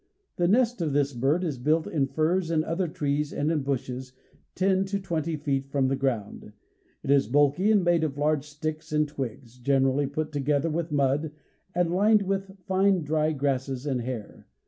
The nest of this bird is built in firs and other trees and in bushes, ten to twenty feet from the ground. It is bulky and made of large sticks and twigs, generally put together with mud, and lined with fine, dry grasses and hair.